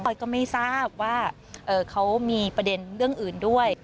อยก็ไม่ทราบว่าเขามีประเด็นเรื่องอื่นด้วย